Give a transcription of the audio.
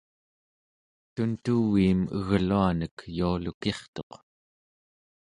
tuntuviim egluanek yualukirtuq